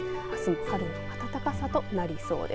春の暖かさとなりそうです。